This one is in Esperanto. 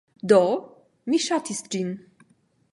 Do, mi ŝatis ĝin.